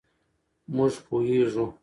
مونږ پوهیږو